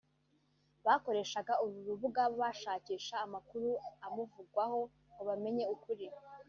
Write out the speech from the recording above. bakoreshaga uru rubuga bashakisha amakuru amuvugwaho ngo bamenye ukuri